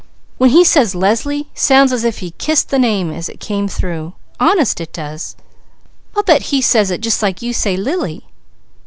When he says 'Leslie' sounds as if he kissed the name as it came through. Honest it does!" "I bet he says it just like you say 'Lily!'"